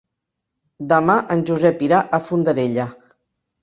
Demà en Josep irà a Fondarella.